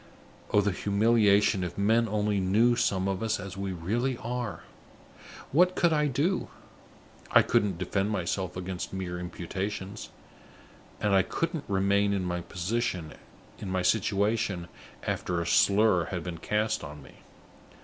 Oh, the humiliation if men only knew some of us as we really are! What could I do? I couldn't defend myself against mere imputations; and I couldn't remain in my situation after a slur had been cast on me.